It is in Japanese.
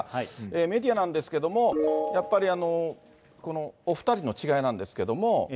メディアなんですけども、やっぱり、このお２人の違いなんですけれども。